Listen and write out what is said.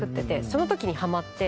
その時にハマって。